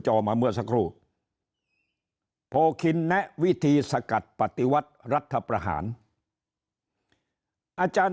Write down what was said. มาเมื่อสักครู่โพคินแนะวิธีสกัดปฏิวัติรัฐประหารอาจารย์